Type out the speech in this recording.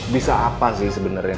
bisa apa sih sebenarnya